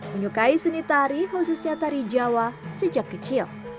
menyukai seni tari khususnya tari jawa sejak kecil